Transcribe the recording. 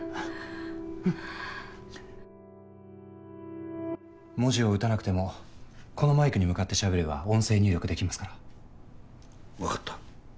うん文字を打たなくてもこのマイクに向かってしゃべれば音声入力できますから。分かった。